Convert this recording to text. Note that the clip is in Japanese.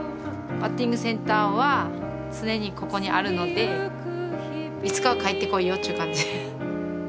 バッティングセンターは常にここにあるのでいつかは帰ってこいよっちゅう感じ。